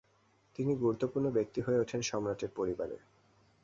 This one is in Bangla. তিনি গুরুত্বপূর্ণ ব্যক্তি হয়ে ওঠেন সম্রাট পরিবারে।